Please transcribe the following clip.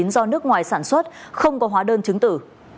do nước ngoài sản xuất không có hóa đơn chứng tử